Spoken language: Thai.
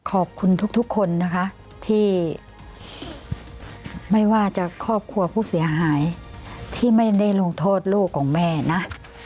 ขอบคุณทุกคนนะคะที่ไม่ว่าจะครอบครัวผู้เสียหายที่ไม่ได้ลงโทษลูกของแม่นะ